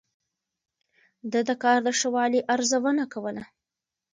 ده د کار د ښه والي ارزونه کوله.